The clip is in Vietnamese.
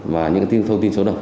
và những thông tin số đồng